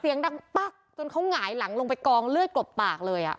เสียงดังปั๊กจนเขาหงายหลังลงไปกองเลือดกลบปากเลยอ่ะ